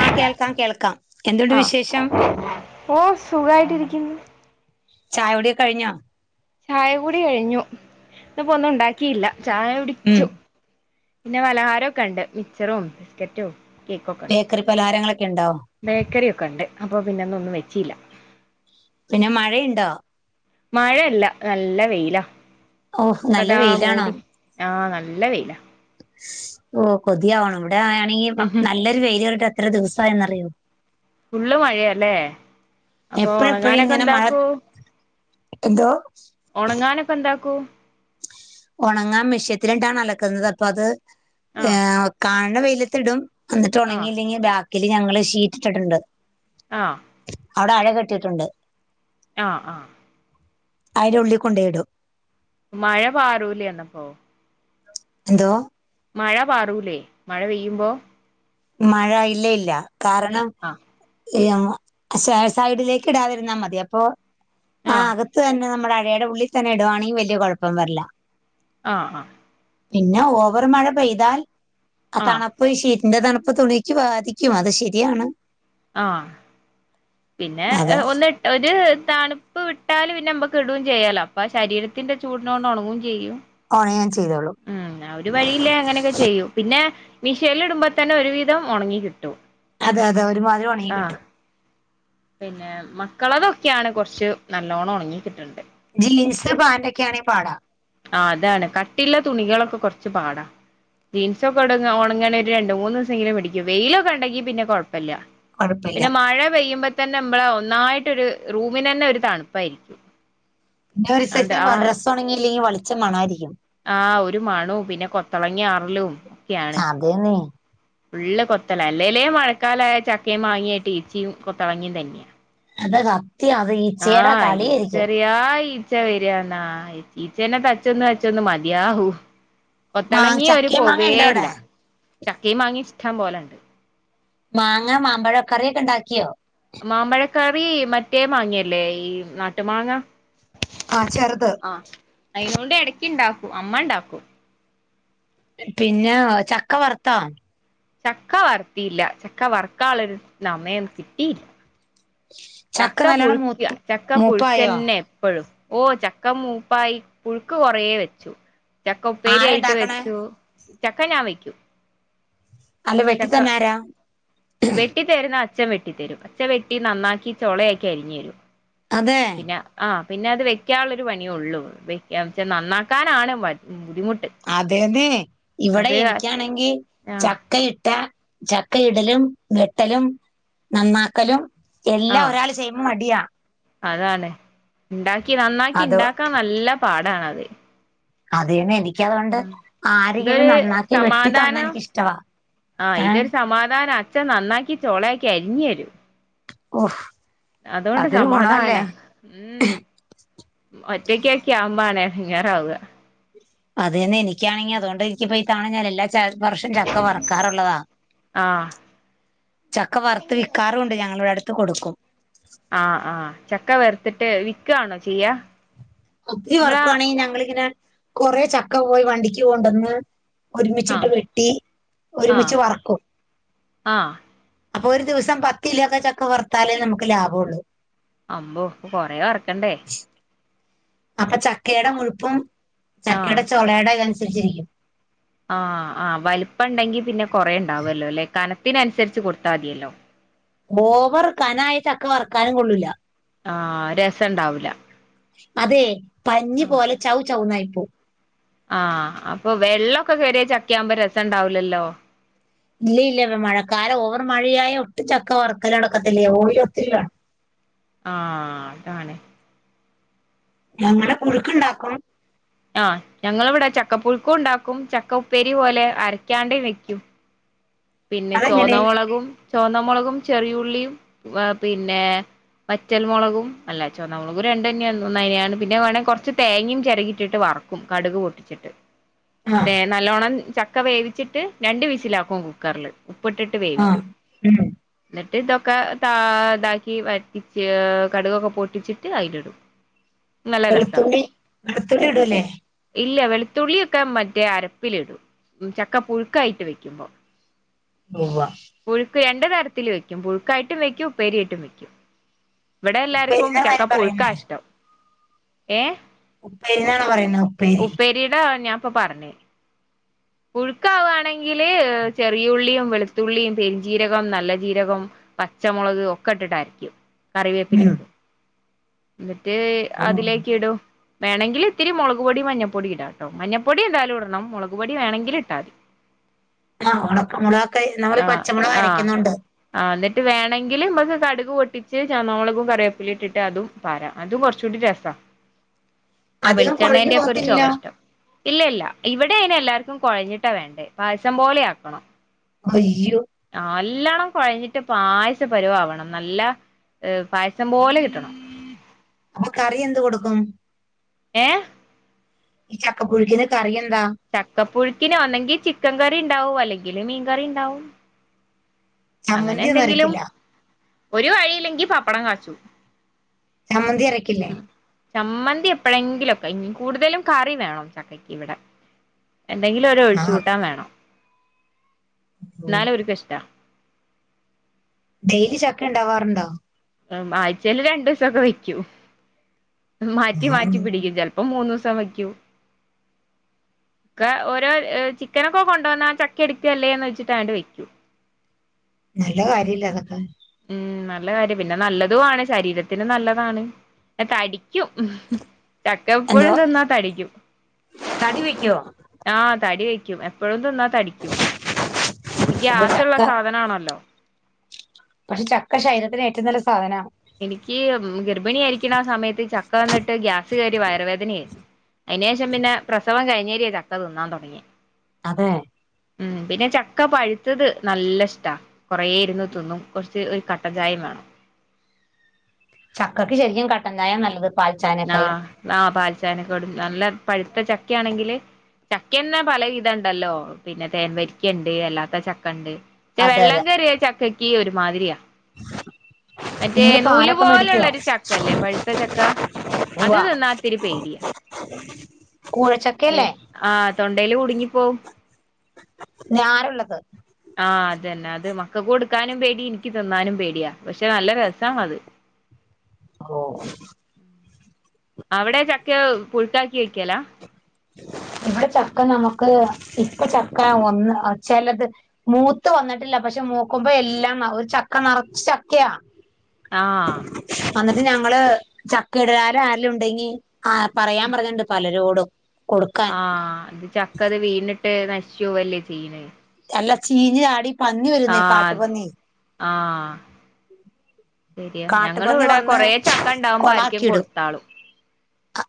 ആഹ് കേൾക്കാം കേൾക്കാം എന്തുണ്ട് വിശേഷം? ഓഹ് സുഖായിട്ടിരിക്കുന്ന്. ചായുടി ഒക്കഴിഞ്ഞോ? ചായ കുടി കഴിഞ്ഞു. ഇപ്പ ഒന്നും ഉണ്ടാക്കീല്ല ചായ ഉം കുടിച്ചു. പിന്നെ പലഹാരൊക്കെ ണ്ട്. മിക്ചറും ബിസ്ക്കറ്റും കേക്കൊക്കെ ണ്ട്. ക്കറി പലഹാരങ്ങളൊക്കെ യിണ്ടോ? ബേക്കറി ഒക്കെ ണ്ട്. അപ്പൊ പിന്നെ ഇന്ന് ഒന്നും വെച്ചില്ല. പിന്നെ മഴയ്ണ്ടോ? മഴല്ല നല്ല വെയിലാ. ഓഹ് നല്ല ഇപ്പതാ വെയിലാണോ മൂടി ആഹ് നല്ല വെയിലാ. ഓഹ് കൊതിയാവ്ണ്. ഇവടെയാണെങ്കി നല്ലൊരു വെയില് വന്നിട്ട് എത്ര ദിവസായെന്നറിയോ. ഫുള്ള് മഴയാല്ലേ. അപ്പൊ എപ്പഴെപ്പഴും ഉണങ്ങാനൊക്കെ ഇങ്ങനെ മഴ എന്താക്കൂ? എന്തോ? ഉണങ്ങാനൊക്കെ എന്താക്കൂ? ഉണങ്ങാൻ മെഷ്യത്തിലിട്ടാണ് അലക്കുന്നത്. അപ്പ അത് ആഹ് ഏഹ് കാണ് ണ വെയിലത്തിടും. അന്നിട്ട് ആഹ് ഉണങ്ങിയില്ലെങ്കി ബാക്കില് ഞങ്ങള് ഷീറ്റ് ഇട്ടിട്ട്ണ്ട്. ആഹ് അവിടെ അഴ കെട്ടീട്ട്ണ്ട്. ആഹ് ആഹ് അയിടെ ഉള്ളിക്കൊണ്ടോയിടും. മഴ പാറൂലെ അന്നപ്പോ? എന്തോ? മഴ പാറൂലേ മഴ പെയ്യുമ്പോ. മഴ ഇല്ലയില്ല കാരണം ആഹ് ഇയാ ഷേ സൈഡിലേക്ക് ഇടാതിരുന്നാ മതി അപ്പൊ ആഹ് അക ത്ത് തന്നെ നമ്മടെ അഴയുടെ ഉള്ളിൽ തന്നെ ഇടുവാണെങ്കി വലിയ കുഴപ്പം വരില്ല. ആഹ് ആഹ്. പിന്നെ ഓവർ മഴ പെയ്താൽ അ ആഹ് തണ പ്പ് ശീറ്റ്ന്റെ തണുപ്പ് തുണീക്ക് ബാധിക്കും അത് ശരിയാണ്. ആഹ് പിന്നെ അത് ഒന്ന് ഒരു തണുപ്പ് വിട്ടാല് പിന്നെ നമ്മക്ക് ഇടും ചെയ്യാലോ അപ്പൊ ആ ശരീരത്തിന്റെ ചൂട്‌നോണ്ട് ഒണങ്ങും ചെയ്യും. ഓണങ്ങും ചെയ്തോളും. ഉം ആ ഒരു വഴിയില്ലേ അങ്ങനെയൊക്കെ ചെയ്യും. പിന്നെ മിഷേൽ ഇടുമ്പോ തന്നെ ഒരു വിധം ഉണങ്ങി കിട്ടും. അതെ അതെ ഒരു മാതിരി ഒണങ്ങി ആഹ് കിട്ടും. പിന്നെ മക്കളതൊക്കെയാണ് കുറച്ച് നല്ലോണ്ണം ഒണങ്ങി കിട്ടണ്ടെ. ജീൻസ് പാൻ്റാക്കെയാണെ പാടാ. ആഹ് അതാണ് കട്ടിള്ള തുണികളൊക്കെ കൊർച്ച് പാടാ. ജീൻസൊക്കെ ഒടങ് ഒണങ്ങണേ ഒരു രണ്ട് മൂന്നീസെങ്കിലും പിടിക്കും. വെയിലൊക്കെ ഉണ്ടെങ്കി പിന്നെ കൊഴപ്പല്ല്യ. കുഴപ്പമില്ല പിന്നെ മഴ പെയ്യുമ്പ തന്നെ നമ്മളെ ഒന്നായിട്ട് ഒരു റൂമിനന്നെ ഒരു തണുപ്പായിരിക്കും. പിന്നെ ഒരു അണ്ട് ആ [unintelligible] ഡ്രസ് ഒണങ്ങിയില്ലെങ്കി വളിച്ച മണായിരിക്കും. ആഹ് ഒരു മണും പിന്നെ കൊത്തളങ്ങ ആറലും ഒക്കെയാണ്. അതേന്നെ ഫുള്ള് കൊത്തള, അല്ലേല്ലേ മഴക്കാലായാ ചക്കിം മാങ്ങിയായിട്ട് ഈച്ചിം കൊത്തളങ്ങിം തന്ന്യാ. അത സത്യ അത് ഈച്ചേടെ ആഹ് കളിയായിരിക്കും [unintelligible] ഈച്ച വരിന്നാ ഈച്ചേനെ തച്ചൊന്ന് തച്ചൊന്ന് മതിയായി മാ ഒത്തിളങ്ങി ഒരു ചക്കയും മാങ്ങ ഉണ്ടോ പൊവേല്ല അവിടെ ചക്കയും മാങ്ങയും ഇഷ്ടാൻ പോലെണ്ട് മാങ്ങ മാമ്പഴം കറിയൊക്കെ ഉണ്ടാക്കിയോ മാമ്പഴക്കറി മറ്റേ മാങ്ങിയല്ലേ ഈ നാട്ടു മാങ്ങ ആഹ ചെറുത് ആ അയിനോണ്ട് ഇടക്ക് ഉണ്ടാക്കൂ അമ്മ ഉണ്ടാക്കും പിന്നെ ചക്ക വറുത്താ ചക്ക വറുത്തിയില്ല ചക്ക വറുക്കളൊരു സമയം കിട്ടില്ല ചക്ക നല്ലോണം പുഴുക്ക മൂത്തു ചക്ക മൂപ്പായോ പുഴുക്കന്നെ എപ്പഴും ഓ ചക്ക മൂപ്പായി പുഴുക്ക് കൊറേ വെച്ചു ചക്ക ഉപ്പേരി ആരാ ആയിട്ട് ഇണ്ടാക്കണേ വെച്ചു ചക്ക ഞാൻ വയ്ക്കും അല്ല വെട്ടി തന്നെ ആരാ വെട്ടിത്തരുന്ന അച്ൻ വെട്ടിത്തരും അച്ച വെട്ടി നന്നാക്കി ചൊളയാക്കി അരിഞ് തരും അതെ പിന്നെ ആ പിന്നെ അത് വെക്കാനുള്ളരു പണിയള്ളൂ വെക്ക വെച്ചാൽ നന്നാക്കാനാണ് ബുദ്ധിമുട്ട് അതേന്നെ ഇവിടെ അത് എനിക്കാണെങ്കിൽ ആ ചക്കയിട്ട ച ക്കെ ഇടലും വെട്ടലും നന്നാക്കലും ആ എല്ലാം ഒരാൾ ചെയ്യുമ്പോൾ മടിയാ അതാണ് ഉണ്ടാക്കി നന്നാക്കി അത് ഉണ്ടാക്കാൻ നല്ല പാടണത് അത എനിക്ക് അതുകൊണ്ട് ആരെങ്കിലും ഇതൊരു നന്നാക്കി വെട്ടി തന്നാ സമാധാനം എനിക്കിഷ്ടവാ ആഹ് ഏ ഇതൊരു സമാധാനം അച്ഛൻ നന്നാക്കി ചോളയാക്കി അരിഞ്ഞു തരും ഓഹ് അതുകൊണ്ട് അതൊരു സമാധാനം ഗുണവല്ലേ ഉം ഒറ്റയ്ക്കൊ ക്കെയാവമ്പണേ ഇടങ്ങറാവുക അത് തന്നെ എനിക്കാണങ്ക അതുകൊണ്ട എനിക്കിപ്പോ ണ ഞ്ഞാൽ എല്ലാ വർഷം ചക്ക വറക്കാറുള്ളതാ ആഹ് ചക്ക വറുത്ത് വിൽക്കാറുംണ്ട് ഞങ്ങള ഇവിടെ അടുത്ത് കൊടുക്കും ആഹ ആഹ് ചക്ക വറുത്തിട്ട് വിൽക്കവാണോ ചെയ്യാ ഒത്തിരി നമ്മളാ വർക്കുവാണെങ്കിൽ ഞങ്ങിങ്ങനെ കൊറെ ചക്ക പോയി വണ്ടിക്ക് പോണ്ടുവന്ന് ഒരുമിച്ചിട്ട് ആഹ് വെട്ടി ആഹ് ഒരുമിച്ച് വറക്കും ആഹ് അപ്പൊ ഒരു ദിവസം പത്തു കിലോ ഒക്കെ ചക്ക വറുത്താലേ നമുക്ക് ലാഭമുള്ളൂ അമ്പോ ഇപ്പൊ കൊറെ വറക്കണ്ടേ അപ്പൊ ചക്കയുടെ മുഴുപ്പും ആഹ് ചക്കയുടെ ചോളയുടെ അതനുസരിച്ചിരിക്കും ആ ആ വലുപ്പം ഉണ്ടെങ്കി പിന്നെ കുറേ ഉണ്ടാവല്ലോ അല്ലെ കനത്തിന അനുസരിച്ച് കൊടുത്താൽ മതിയല്ലോ ഓവർ കനായിട്ടുള്ള ചക്ക വറക്കാനും കൊള്ളൂല്ല ആഹ രസം ഉണ്ടാവൂല അതെ പഞ്ഞി ആഹ് പോലെ ചൗ ചൗന്നായിപ്പോ ആഹ് അപ്പൊ വെള്ളമൊക്കെ കയറിയ ചക്ക ആകുമ്പോ രസം ഉണ്ടാവുലല്ലോ ഇല്ല ഇല്ല മഴക്കാലം ഓവർ മഴയായ ഒട്ടുംച്ചക്ക വറക്കല നടക്കത്തില്ലേ ഓയിൽ ഒത്തിരി വേണം ആഹ അതാണ് ഞങ്ങളു പുഴുക്ക ഉണ്ടാക്കും ആഹ് ഞങ്ങിവിടെ ചക്കപ്പുഴുക്കും ഉണ്ടാക്കും ചക്ക ഉപ്പേരി പോലെ അരക്കാണ്ട വെക്കും പിന്നെ അതെങ്ങനെ ചുവന്നമുളകും ചുവന്നമുളകും ചെറിയുള്ളിയും പിന്നെ മറ്റൽമുളകും അല്ല ചുവന്നമളകും രണ്ട് തന്നെയ ഒന്ന അനെയാണ് പിന്നെ വേണമങ്കിൽ കുറച്ച് തേങ്ങയും ചിരകിട്ടിട്ട് വറക്കും കടുക് പൊട്ടിച്ചിട്ട്. ആഹ് തേ നല്ലോണം ചക്ക വേവിച്ചിട്ട് രണ്ട് വിസിലാക്കും കുക്കർല്. ഉപ്പ്ട്ടിട്ട് ആഹ് വേവിക്കും. ഉം ന്നിട്ട് ഇതൊക്കെ താ താക്കി വറ്റിച്ച് കടുകൊക്കെ പൊട്ടിച്ചിട്ട് അയില് ഇടും. വെളുത്തുള്ളി വെളുത്തുള്ളി ഇടുല്ലേ. ഇല്ല വെളുത്തുള്ളിയൊക്കെ മറ്റേ അരപ്പിലിടും, ചക്ക പുഴുക്കായിട്ട് വെക്കുമ്പോ. മുവ്വാ പുഴുക്ക് രണ്ട തരത്തില് വയ്ക്കും പുഴുക്കായിട്ടും വെക്കും ഉപ്പേരിയായിട്ടും വെക്കും. വടെ എല്ലാർക്കും ഉപ്പേരിന്നാണോ അയിന് ചക്കപ്പുഴുക്കാ പറയുന്നേ ഇഷ്ടം ഏ. ഉപ്പേരിന്നാണോ പറയുന്നേ ഉപ്പേരി ഉപ്പേരിടാ ഞാൻപ്പൊ പറഞ്ഞേ. പ്പുഴുക്കാവാണെങ്കില് ചെറിയുള്ളിയും വെളുത്തുള്ളിയും പെരിഞ്ചീരകം നല്ല ജീരകം. പച്ചമൊളക് ഒക്കെ ഇട്ടിട്ടരക്കും. കറിവേപ്പിലിം ഉം ഇടും ന്നിട്ട് ഓഹ് അതിലേക്ക് ഇടും. വേണെങ്കില്ത്തിരി മൊളക് പൊടി മഞ്ഞപ്പൊടി ഇടാട്ടോ മഞ്ഞപ്പൊടി എന്താലുംടണം മൊളക് പൊടി വേണെങ്കില് ഇട്ടാ മതി. ആഹ് ഉണക്കമൊളകൊക്കെ നമ്മള് ആഹ് പച്ചമൊളക് ആഹ് അരയ്ക്കുന്നോണ്ട്. ആഹ് ന്നിട്ട് വേണെങ്കില് മ്മക്ക് കടുക് പൊട്ടിച്ച് ചോന്നമൊളകും കറിവേപ്പിലിം ഇട്ടിട്ട് അതും പാരാ അതും കൊർചൂടി രസാ. ആ അധികം കൊഴിഞ്ഞു വെളിച്ചെണ്ണേന്റെ ഒക്കെ ഒരു ചൊവ പോവത്തില്ലാ ഇഷ്ടം ഇല്ല ഇല്ല ഇവടെ അയ്ന് എല്ലാർക്കും കൊഴഞ്ഞിട്ടാ വേണ്ടേ പായസം പോലെ ആക്കണം. അയ്യോ ആ നല്ലോണം കൊഴഞ്ഞിട്ട് പായസ പരുവാവണം നല്ല പായസം പോലെ കിട്ടണം. അപ്പൊ കറി എന്ത് കൊടുക്കും? ഏ ഈ ചക്കപ്പുഴുക്കിന് കറിഎന്താ? ചക്കപ്പുഴുക്കിന് ഒന്നെങ്കി ചിക്കൻ കറി ണ്ടാവും അല്ലെങ്കില് മീൻകറി ണ്ടാവും. അങ്ങനെ ചമ്മന്തി ഒന്നും എന്തെങ്കിലും അരക്കില്ല ഒരു വഴിയില്ലെങ്കി പപ്പടം കാച്ചും. ചമ്മന്തി അരക്കില്ലേ? ചമ്മന്തി എപ്പോഴെങ്കിലൊക്കെ കൂടുതലും കറി വേണം ചക്കക്ക് ഇവടെ. എന്തെങ്കിലു ഒരു ഒഴിച്ച് ആഹ് കൂട്ടാൻ വേണം. ഉം. ന്നാലും ഓര്ക്ക് ഇഷ്ട്ടാ. ഡെയിലി ചക്ക ണ്ടാവാറുണ്ടോ? ആഴ്ചെല് രണ്ടൂസൊക്കെ വെക്കും മാറ്റി മാറ്റി പിടിക്കും ചെൽ പ്പം മൂന്നൂസം വേയ്ക്കും. ക്കെ ഓരോ ചിക്കനൊക്കെ കൊണ്ട വന്ന ചക്ക എടുക്കല്ലേന്ന് വെച്ചിട്ട് അണ്ട് വെക്കും. നല്ല കാര്യല്ലേ അതൊക്കെ. ഉം നല്ല കാര്യം പിന്നെ നല്ലതു ആണ് ശരീരത്തിന് നല്ലതാണ്. തടിക്കും. ചക്ക എന്തോ എപ്പോഴും ത് ന്നാ തടിക്കും. തടി വെക്കുവോ ആഹ് തടി വയ്ക്കും എപ്പോഴും ത് ന്നാ തടിക്കും ഈ ഓഹ് ഗ്യാസ്സുള്ള ചക്ക സാധനാണല്ലോ. പക്ഷെ ചക്ക ശരീരത്തിന് ഏറ്റവും നല്ല സാധനാ. എനിക്ക് ഗർഭിണി ആയിരിക്ണാ ആ സമയത്ത് ചക്കന്ന്ട്ട് ഗ്യാസ് കേറി വയറുവേദനേയി. അയ്നേഷം പിന്നെ പ്രസവം കഴിഞ്ഞേരേ ചക്ക ത് ന്നാൻ തൊടങ്ങിയെ. അതെ ഉം പിന്നെ ചക്ക പഴുത്തത് നല്ല ഇഷ്ടാ. കൊറെ ഇരുന്നു തിന്നും കുറച്ച് ഒരു കട്ടചായേം വേണം ചക്കക്ക് ശരിക്കും കട്ടൻ ചായ നല്ലത് പാൽച്ചായനക്കായും ആഹ് പാൽചായ [unintelligible] നല്ല പഴുത്ത ചക്കയാണെങ്കില് ചക്ക തന്നെ പല വിധം ഉണ്ടല്ലോ പിന്നെ തേൻവരിക്ക ഉണ്ട് അല്ലാത്ത ചക്ക ഉണ്ട് അതെ വെള്ളം അതെ കയറിയ ചക്കയ്ക്ക് ഒരുമാതിരിയാ മറ്റേ നിങ്ങള് നൂല് പാലൊക്കെ പോലുള്ള ഒരു ചക്കയില്ലേ പഴുത്ത ചക്ക ഉവ അത് തിന്നാ ഇത്തിരി കൂഴചക് ഏ ആ തൊണ്ടയില് കുടുങ്ങിപ്പോവും നാരുള്ളതാ ആഹ് അതന്നെ അത് മക്കക്ക് കൊടുക്കാനും പേടി എനിക്ക് തിന്നാനും പേടിയാ പക്ഷെ നല്ല രസാണത് ഓ അവിടെ ചക്ക [unintelligible] വെയ്ക്കുവല്ല ഇവിടെ ചക്ക നമുക്ക് ഇപ്പ ചക്ക ഒന്ന് ചെലത് മൂത്ത് വന്നിട്ടില്ല പക്ഷെ മൂക്കുമ്പോ എല്ലാം ഒരു ചക്ക നറച്ച് ചക്കയാ ആഹ് അന്നിട്ട് ഞങ്ങള് ചക്ക ഇടുകാര് ആരെങ്കിലും ഉണ്ടെങ്കി ആഹ് പറയാൻ പറഞ്ഞിട്ടുണ്ട് പലരോടും കൊടുക്കാ ആഹ് ഇത് ചക്കത് വീണിട്ട് നശിച്ചു പോവല്ലേ ചെയ്യുന്നത് അല്ല ചീഞ്ഞുനാടി പന്നി വരുന്നെയ ആഹ് കാട്ടുപന്നി ആഹ് ശരിയാ ഞങ്ങള് കാട്ടുപന്നി ഇവിടെ വന്ന് കൊറേ ചക്ക ഉണ്ടാവുമ്പോ ആരിക്കേം കൊളാക്കിയിടും കൊടുത്താളും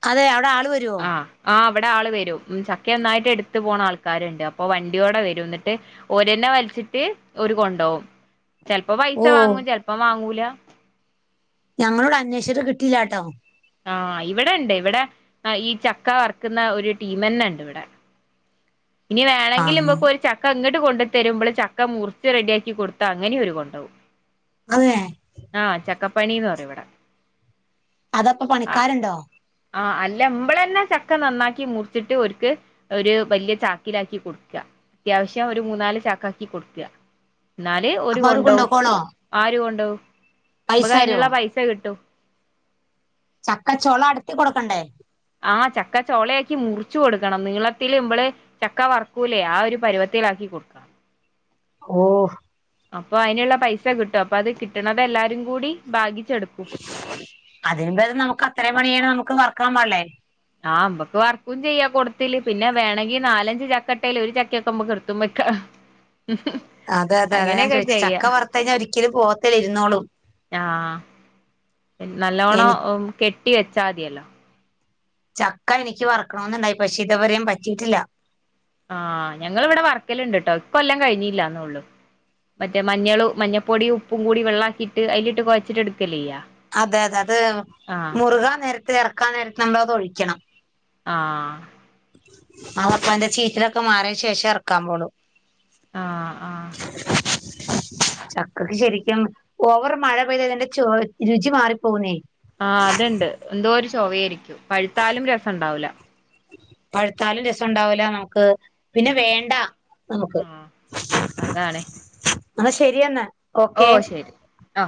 അതെ അവിടെ ആള് വരു ആഹ് ആഹ് അവിടെ ആള് വരും ചക്ക ഒന്നായിട്ട് എടുത്ത് പോണ ആൾക്കാരുണ്ട് അപ്പൊ വണ്ടിയോടെ വരും എന്നിട്ട് ഓര് തന്നെ വലിച്ചിട്ട് ഓര് കൊണ്ട്പോകും ചെലപ്പം ഓ പൈസ വാങ്ങും ചെലപ്പോ വാങ്ങൂല ഞങ്ങളിവിടെ അന്വേഷിച്ചിട്ട് കിട്ടില്ലാട്ടോ ആഹ് ഇവിടെ ഉണ്ട് ഇവിടെ ഈ ചക്ക വറുക്കുന്ന ഒരു ടീം തന്നെ ഉണ്ട് ഇവിടെ ഇനി വേണമെങ്കില് ആഹ് നമ്മുക്ക് ഒരു ചക് ക്ക ഇങ്ങട്ട് കൊണ്ട് തരുമ്പോളും ചക്ക മുറിച്ച് റെഡിയാക്കി കൊടുത്ത അങ്ങനെയും അവര് കൊണ്ട് പോകും അതെ ആ ചക്കപ്പണിന്ന് പറയും ഇവിട അതെപ്പോ പണിക്കാരുണ്ടോ ആഹ് അല്ല അമ്മള് തന്നെ ചക്ക നന്നാക്കി മുറിച്ചിട്ട് ഒരുക്ക് ഒരു വലിയ ചാക്കിലാക്കി കൊടുക്കുക അത്യാവശ്യം ഒരു മൂന്നാല് ചാക്കാക്കി കൊടുക്കുക എന്നാല് ഓര് അപ്പൊ അവര് കൊണ്ടുപോവും കൊണ്ടോക്കോളോ ആര് കൊണ്ട്പോവും നമ്മക്ക് പൈസരോ അതിനുള്ള പൈസ കിട്ടും ചക്കച്ചൊള അടർത്തി കൊടുക്കണ്ടേ ആഹ് ചക്കച്ചൊളയാക്കി മുറിച്ചു കൊടുക്കണം നീളത്തില് ഞമ്മള് ചക്ക വർക്കൂലെ ആ ഒരു പരുവത്തിലാക്കി കൊടുക്കണം ഓ അപ്പൊ അതിനുള്ള പൈസ കിട്ടും അപ്പൊ അത് കിട്ടുന്നത് എല്ലാരും കൂടി ബാഗിച്ചെടുക്കും അതെന്തായാലും നമുക്ക് അത്രയും പണി ചെയ്യണത് നമുക്ക് വർക്കണന്നല്ലേ ആഹ് അമ്മക്ക് വർക്കും ചെയ്യാ കൊടുത്തില് പിന്നെ വേണങ്കി നാലഞ്ച് ചക്കട്ടേൽ ഒരു ചക്കൊക്കെ അമ്മക്ക് എടുത്തും വെക്കാം ഉ അതെ അതെ അതാ ഞാൻ ചോദിച്ചെ ചക്ക വറുത്ത് കഴിഞ്ഞാ ഒരിക്കലും പോത്തില്ല ഇരുന്നോളും ആഹ് എനി നല്ലോണം കെട്ടി വെച്ചാ മതിയല്ലോ ചക്ക എനിക്ക് വറക്കണമെന്നുണ്ടായി പക്ഷെ ഇത്വരെയും പറ്റിയിട്ടില്ല ആഹ് ഞങ്ങള് ഇവിടെ വർക്കലിണ്ട് കേട്ടോ ഇപ്പൊ എല്ലാം കഴിഞ്ഞല്ലാന്ന ഉള്ളൂ മറ്റേ മഞ്ഞളും മഞ്ഞപ്പൊടിയും ഉപ്പും കൂടി വെള്ളംക്കിയിട്ട് അതിലിട്ട് കൊഴച്ചിട്ട് എടുക്കുയല്ലേ ചെയ്ക അതെ അതെ അത് മുറുകാ നേരത്ത് എറക്കാൻ നേരത്ത് നമ്മള് അത് ഒഴിക്കണം ആഹ് അപ്പ എന്റെ ചീറ്റിലൊക്കെ മാറിയെനു ശേഷം എറക്കാൻ പോണു ആഹ് ആഹ് ചക്കക്ക് ശരിക്കും ഓവർ മഴ പെയ്ത അതിന്റെ ചൊള രുചി മാറിപ്പോകുന്നേ ആഹ് അത് ഇണ്ട് എന്തോ ഒരു ചൊവയായിരിക്കും പഴുത്താലും രസം ഉണ്ടാവൂല പഴുത്താലും രസംഉണ്ടാവൂല നമുക്ക് പിന്നെ വേണ്ട- നമുക്ക് ആഹ് അതാണ് അന്നാ ശരിയെന്നാ ഓ ഓക്കെ ശരി ആ